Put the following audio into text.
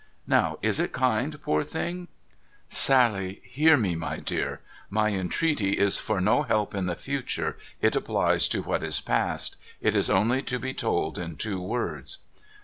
Now, is it kind, Poor Thing ?'' Sally ! Hear me, my dear. My entreaty is for no help in the future. It applies to what is past. It is only to be told in two words.'